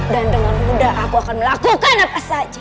dan dengan mudah aku akan melakukan apa saja